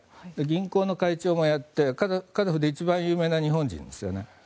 銀行の会長もやってカザフで一番有名な日本人ですね。